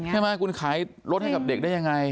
ใช่ไหมคุณขายรถให้กับเด็กได้ยังไง